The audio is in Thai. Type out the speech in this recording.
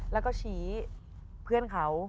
แล้วก็ชี้เพื่อนเขา